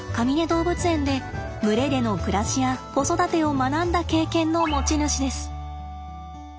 動物園で群れでの暮らしや子育てを学んだ経験の持ち主です。